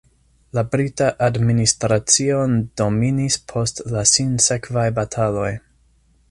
La brita administracio dominis post la sinsekvaj bataloj.